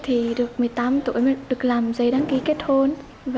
hồi đó tôi được một mươi tám tuổi được làm giấy đăng ký kết hôn